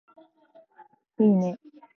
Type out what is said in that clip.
いいね